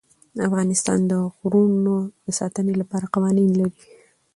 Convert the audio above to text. افغانستان د غرونه د ساتنې لپاره قوانین لري.